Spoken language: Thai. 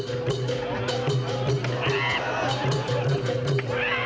เป็นอย่างไรครับหยิบเอง